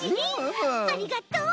ありがとう！